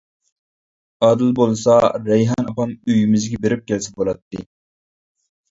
-ئادىل بولسا رەيھان ئاپام ئۆيىمىزگە بېرىپ كەلسە بۇلاتتى.